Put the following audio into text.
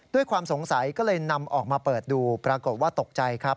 ด้วยความสงสัยก็เลยนำออกมาเปิดดูปรากฏว่าตกใจครับ